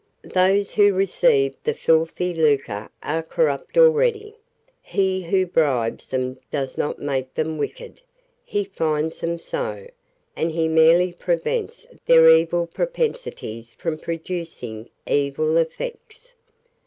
Those who receive the filthy lucre are corrupt already. He who bribes them does not make them wicked: he finds them so; and he merely prevents their evil propensities from producing evil effects.